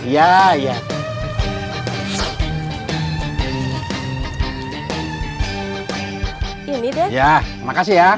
ya terima kasih ya